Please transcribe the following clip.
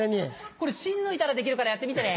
これ芯抜いたらできるからやってみてね。